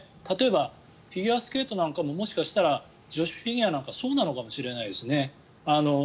例えば、フィギュアスケートももしかしたら女子フィギュアなんかはそうなのかもしれないですね。